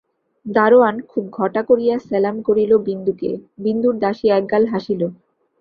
দারোয়ান খুব ঘটা করিয়া সেলাম করিল বিন্দুকে, বিন্দুর দাসী একগাল হাসিল।